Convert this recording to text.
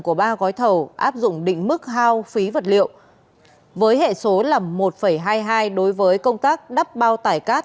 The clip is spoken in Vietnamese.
của ba gói thầu áp dụng định mức hao phí vật liệu với hệ số là một hai mươi hai đối với công tác đắp bao tải cát